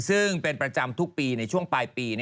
ซึ่งเป็นประจำทุกปีในช่วงปลายปี